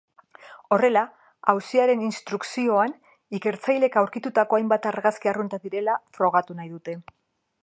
Horrela, auziaren instrukzioan ikertzaileek aurkitutako hainbat argazki arruntak direla frogatu nahi dute.